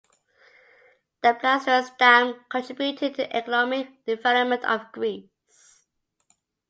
The Plastiras Dam contributed to the economic development of Greece.